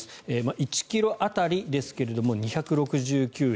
１ｋｇ当たりですが２６９円。